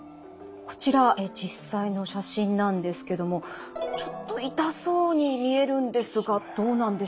こちら実際の写真なんですけどもちょっと痛そうに見えるんですがどうなんでしょうか？